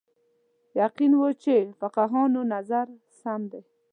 یقین و چې فقیهانو نظر ناسم دی